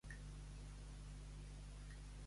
Ser una prostituta.